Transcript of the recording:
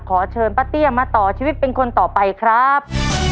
ขอเชิญป้าเตี้ยมาต่อชีวิตเป็นคนต่อไปครับ